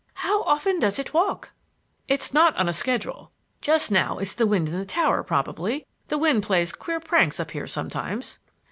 How often does it walk?" "It's not on a schedule. Just now it's the wind in the tower probably; the wind plays queer pranks up there sometimes."